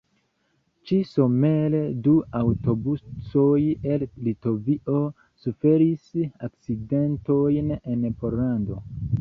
Ĉi-somere du aŭtobusoj el Litovio suferis akcidentojn en Pollando.